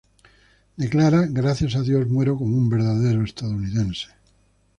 Declara: "Gracias a Dios, muero como un verdadero estadounidense".